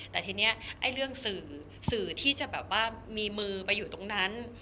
แต่ทีนี้ไอ้เรื่องสื่อสื่อที่จะแบบว่ามีมือไปอยู่ตรงนั้น